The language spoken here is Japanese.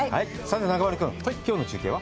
中丸君、きょうの中継は？